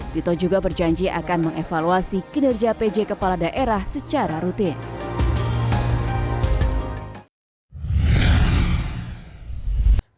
tito juga berjanji akan mengevaluasi kinerja pj kepala daerah secara rutin